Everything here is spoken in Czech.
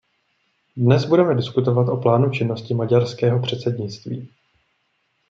Dnes budeme diskutovat o plánu činnosti maďarského předsednictví.